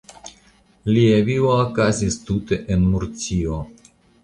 Lia vivo okazis tute en Murcio.